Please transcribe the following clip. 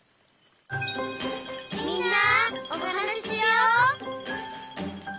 「みんなおはなししよう」